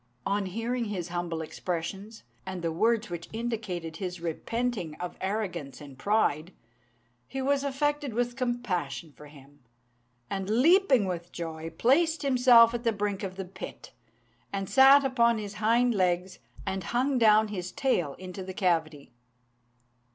On hearing his humble expressions, and the words which indicated his repenting of arrogance and pride, he was affected with compassion for him, and, leaping with joy, placed himself at the brink of the pit, and sat upon his hind legs and hung down his tail into the cavity.